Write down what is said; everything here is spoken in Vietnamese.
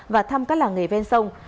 và thăm các làng nghề ven sông